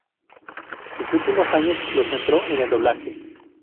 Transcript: Sus últimos años los centró en el doblaje.